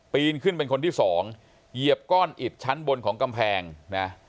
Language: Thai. นขึ้นเป็นคนที่สองเหยียบก้อนอิดชั้นบนของกำแพงนะ